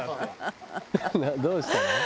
「どうしたの？」